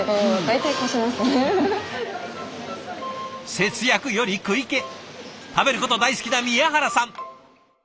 節約より食い気食べること大好きな宮原さん。